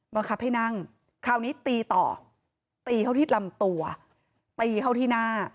บังคับให้นั่งคราวนี้ตีต่อตีเข้าที่ลำตัวตีเข้าที่หน้า